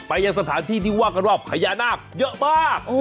ยังสถานที่ที่ว่ากันว่าพญานาคเยอะมาก